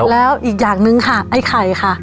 แล้วอีกอย่างนึงค่ะไอ้ไข่ค่ะ